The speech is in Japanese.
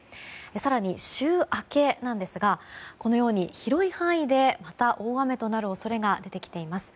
更に週明けなんですがこのように広い範囲でまた大雨となる恐れが出てきています。